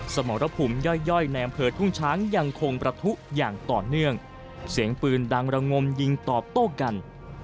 สมรภูมิย่อยย่อยในอำเภอทุ่งช้างยังคงประทุอย่างต่อเนื่องเสียงปืนดังระงมยิงตอบโต้กัน